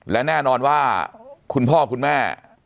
และแน่นอนว่าคุณพ่อคุณแม่